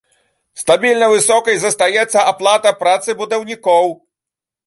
Стабільна высокай застаецца аплата працы будаўнікоў.